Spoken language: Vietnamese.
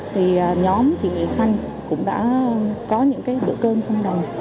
thì nhóm chị nghị xanh cũng đã có những cái bữa cơm không đầy